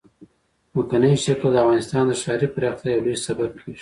ځمکنی شکل د افغانستان د ښاري پراختیا یو لوی سبب کېږي.